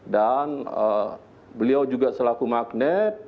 dan beliau juga selaku magnet